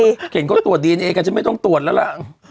ผมเขียนเขาตรวจดีเนเอกันไปกันก็ตรวจแล้วละ